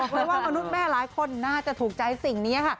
เลยว่ามนุษย์แม่หลายคนน่าจะถูกใจสิ่งนี้ค่ะ